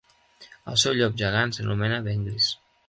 El seu llop gegant s'anomena Vent Gris.